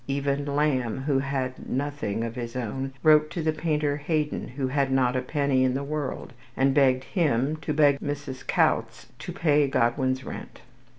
Even Lamb, who had nothing of his own, wrote to the painter, Haydon, who had not a penny in the world, and begged him to beg Mrs. Coutts to pay Godwin's rent.